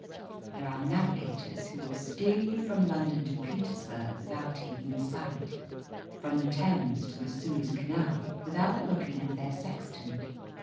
There are navigators who will steer you from London to Petersburg without taking a sight, from the Thames to the Suez Canal without looking at their sextant.